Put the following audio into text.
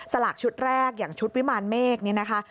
สลากชุดแรกอย่างชุดวิมารเมฆเนี่ยนะคะ